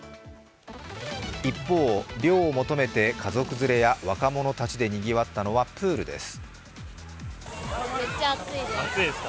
一方、涼を求めて家族連れや若者たちでにぎわったのはプールです。